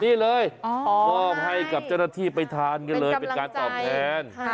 นี่เลยมอบให้กับเจ้าหน้าที่ไปทานกันเลยเป็นการตอบแทน